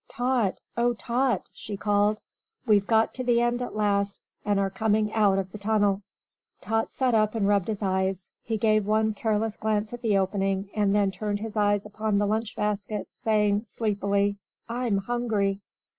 "Tot! Oh, Tot!" she called. "We've got to the end at last and are coming out of the tunnel!" Tot sat up and rubbed his eyes. He gave one careless glance at the opening, and then turned his eyes upon the lunch basket, saying, sleepily, "I'm hungry!"